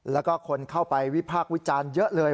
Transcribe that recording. แล้วก็คนเข้าไปวิพากษ์วิจารณ์เยอะเลย